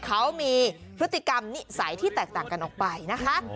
เขามีพฤติกรรมนิสัยที่แตกต่างกันออกไปนะคะ